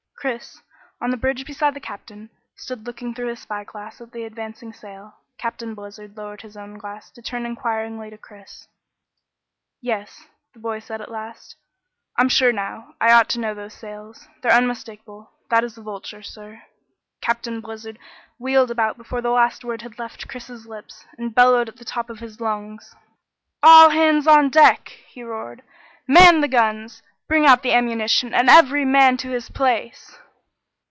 Chris, on the bridge beside the Captain, stood looking through his spyglass at the advancing sail. Captain Blizzard lowered his own glass to turn enquiringly to Chris. "Yes," the boy said at last, "I'm sure now. I ought to know those sails. They're unmistakable. That is the Vulture, sir." Captain Blizzard wheeled about before the last word had left Chris's lips, and bellowed at the top of his lungs. "All hands on deck!" he roared. "Man the guns! Bring out the ammunition, and every man to his place!"